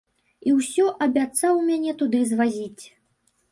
І ўсё абяцаў мяне туды звазіць.